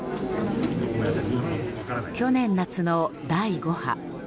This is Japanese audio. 去年夏の第５波。